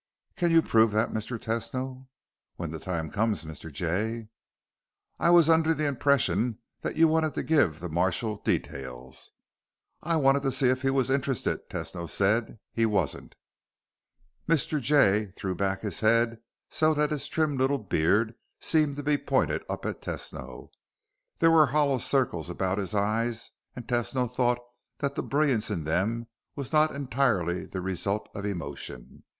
"Can you prove that, Mr. Tesno?" "When the time comes, Mr. Jay." "I was under the impression that you wanted to give the marshal details." "I wanted to see if he was interested," Tesno said. "He wasn't." Mr. Jay threw back his head so that his trim little beard seemed to be pointed up at Tesno. There were hollow circles about his eyes, and Tesno thought that the brilliance in them was not entirely the result of emotion.